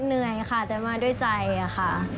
เหนื่อยค่ะแต่มาด้วยใจค่ะ